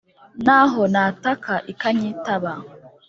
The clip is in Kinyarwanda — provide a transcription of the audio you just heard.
naho nataka ikanyitaba,